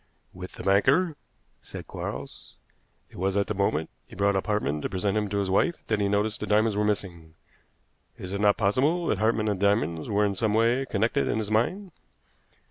"With the banker," said Quarles. "It was at the moment that he brought up Hartmann to present him to his wife that he noticed the diamonds were missing. Is it not possible that Hartmann and the diamonds were in some way connected in his mind?"